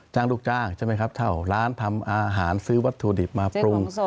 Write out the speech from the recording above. ลูกจ้างใช่ไหมครับเช่าร้านทำอาหารซื้อวัตถุดิบมาปรุง